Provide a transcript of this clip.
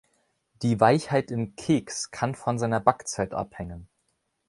Die Weichheit im Keks kann von seiner Backzeit abhängen.